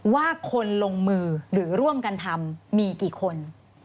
ว่าคนลงมือหรือร่วมกันทำมีกี่คน